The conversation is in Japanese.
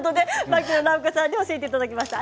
牧野直子さんに教えていただきました。